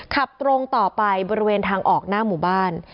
ขับตรงต่อไปบริเวณทางออกหน้าหมู่บ้าน